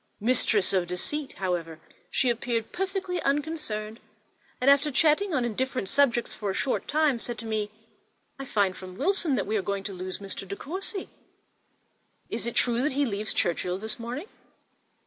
Mistress of deceit, however, she appeared perfectly unconcerned, and after chatting on indifferent subjects for a short time, said to me, "I find from Wilson that we are going to lose Mr. De Courcy—is it true that he leaves Churchhill this morning?"